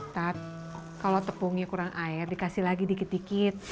tapi kalau tepungnya kurang air dikasih lagi dikit dikit